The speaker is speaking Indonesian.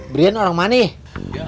brilian orang mana ya